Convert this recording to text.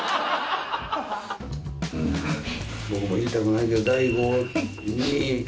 僕も言いたくないけど大悟に。